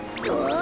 あ。